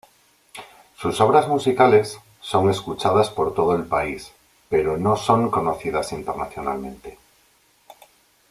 Sus obras musicales, son escuchadas por todo el país, pero no son conocidas internacionalmente.